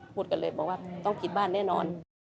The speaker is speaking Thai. พูดกันเลยบอกว่าต้องผิดบ้านแน่นอน